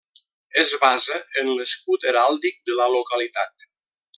Es basa en l'escut heràldic de la localitat.